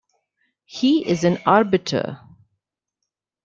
He is an arbiter.